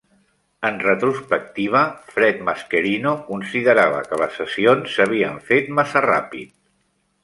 En retrospectiva, Fred Mascherino considerava que les sessions s'havien fet massa ràpid.